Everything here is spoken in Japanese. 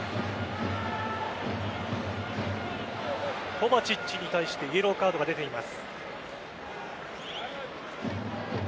コヴァチッチに対してイエローカードが出ています。